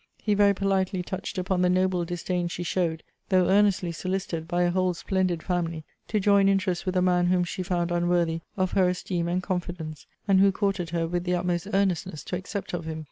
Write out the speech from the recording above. He very politely touched upon the noble disdain she showed (though earnestly solicited by a whole splendid family) to join interests with a man whom she found unworthy of her esteem and confidence: and who courted her with the utmost earnestness to accept of him.